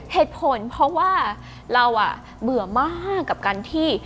เหตุผลเพราะว่าเราเบื่อมากกับการที่